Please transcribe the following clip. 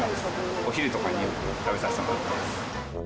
お昼とかによく食べさせてもらってます。